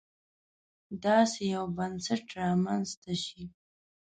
داسې یو بنسټ رامنځته شي.